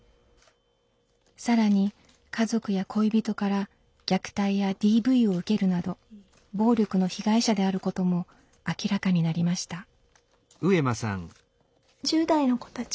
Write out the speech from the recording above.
更に家族や恋人から虐待やＤＶを受けるなど暴力の被害者であることも明らかになりました。